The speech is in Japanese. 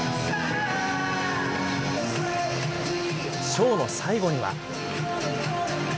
ショーの最後には。